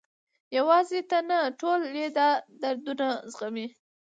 یوازې ته نه، ټول یې دا دردونه زغمي.